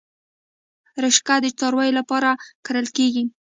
رشقه د څارویو لپاره کرل کیږي